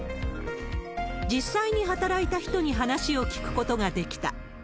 実際に働いた人に話を聞くことができた。